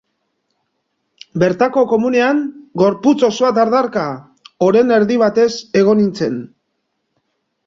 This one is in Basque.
Bertako komunean, gorputz osoa dardarka, oren erdi batez egon nintzen.